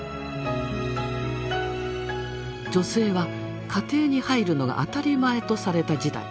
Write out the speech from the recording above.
女性は家庭に入るのが当たり前とされた時代。